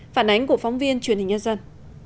phản ánh của phóng viên truyền hình nhân dân